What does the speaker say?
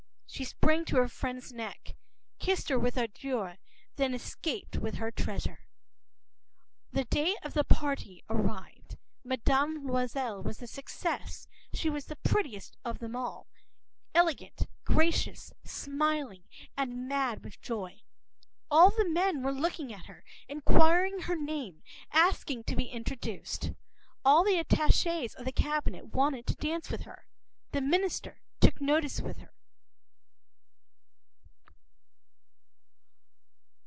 ”She sprang to her friend’s neck, kissed her with ardor, and then escaped with her treasure.<INT>The day of the party arrived. Mme. Loisel was a success. She was the prettiest of them all, elegant, gracious, smiling, and mad with joy. All the men were looking at her, inquiring her name, asking to be introduced. All the attaches of the Cabinet wanted to dance with her. The Minister took notice of her.